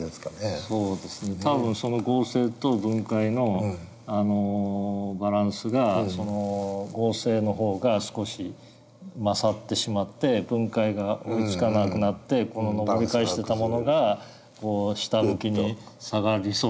そうですね多分その合成と分解のバランスがその合成の方が少し勝ってしまって分解が追いつかなくなってこの上り返してたものがこう下向きに下がりそうになったり。